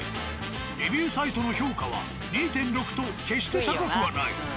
レビューサイトの評価は２．６と決して高くはない。